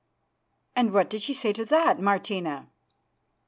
"And what did she say to that, Martina?"